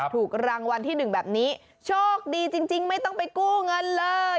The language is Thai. ถูกรางวัลที่๑แบบนี้โชคดีจริงไม่ต้องไปกู้เงินเลย